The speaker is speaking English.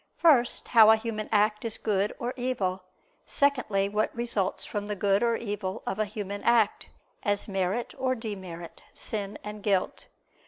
First, how a human act is good or evil; secondly, what results from the good or evil of a human act, as merit or demerit, sin and guilt.